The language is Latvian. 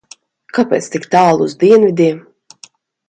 Kāpēc tik tālu uz dienvidiem?